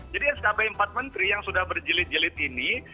jadi skb empat menteri yang sudah berjelit jelit ini